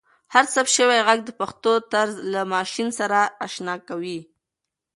هر ثبت شوی ږغ د پښتو طرز له ماشین سره اشنا کوي.